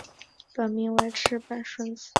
本名为赤坂顺子。